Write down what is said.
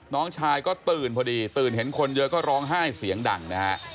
น้องชายก็ตื่นพอดีตื่นเห็นคนเยอะก็ร้องไห้เสียงดังนะฮะ